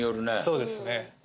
そうですね